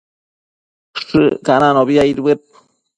Shëccananobi aidbëd